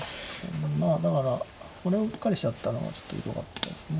まあだからこれをうっかりしちゃったのがちょっとひどかったですね。